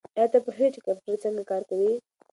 ایا ته پوهېږې چې کمپیوټر څنګه کار کوي؟